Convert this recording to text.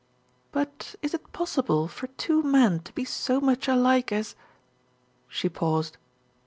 "But is it possible for two men to be so much alike as " She paused.